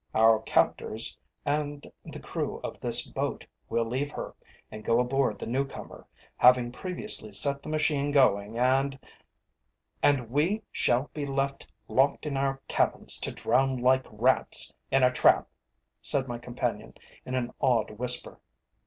Our captors and the crew of this boat will leave her and go aboard the new comer, having previously set the machine going, and " "And we shall be left locked in our cabins to drown like rats in a trap!" said my companion in an awed whisper.